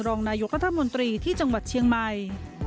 รองนายกรัฐมนตรีที่จังหวัดเชียงใหม่